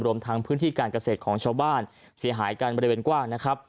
รวมทั้งพื้นที่การเกษตรของชาวบ้านเสียหายกันบริเวณกว้างนะครับ